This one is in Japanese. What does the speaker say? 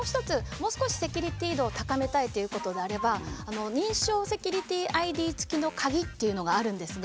もう少しセキュリティー度を高めたいということであれば認証セキュリティーＩＤ付きの鍵というのがあるんですね。